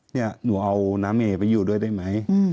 เนี่ยหนูเอาน้ำเอไปอยู่ด้วยได้ไหม